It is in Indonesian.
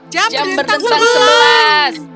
jam berdentang sebelas